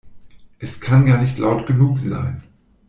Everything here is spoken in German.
Es kann gar nicht laut genug sein.